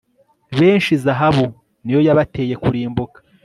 benshi zahabu ni yo yabateye kurimbuka